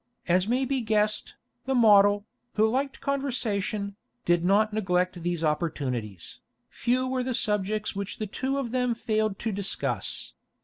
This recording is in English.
As may be guessed, the model, who liked conversation, did not neglect these opportunities. Few were the subjects which the two of them failed to discuss.